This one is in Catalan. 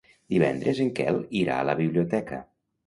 Divendres en Quel irà a la biblioteca.